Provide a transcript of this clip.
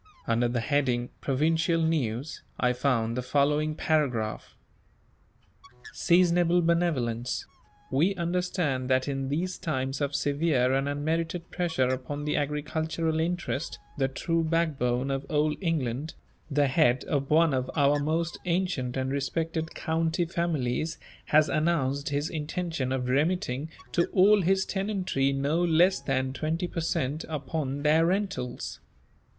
Under the heading "Provincial News," I found the following paragraph: "SEASONABLE BENEVOLENCE. We understand that in these times of severe and unmerited pressure upon the agricultural interest the true back bone of old England the head of one of our most ancient and respected county families has announced his intention of remitting to all his tenantry no less than twenty per cent. upon their rentals.